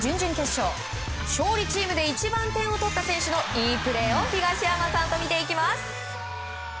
勝利チームで一番点を取った選手のいいプレーを東山さんとみていきます。